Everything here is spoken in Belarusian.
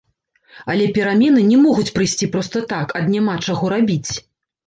Але перамены не могуць прыйсці проста так, ад няма чаго рабіць.